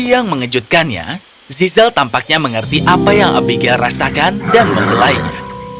tapi yang mengejutkannya zizzle tampaknya mengerti apa yang abigail rasakan dan mengelainya